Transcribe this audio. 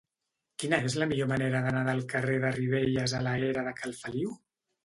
Quina és la millor manera d'anar del carrer de Ribelles a la era de Cal Feliu?